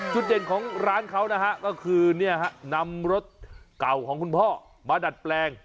จุดเด่นของร้านเขานะฮะก็คือนำรถเก่าของคุณพ่อมาดัดแปลง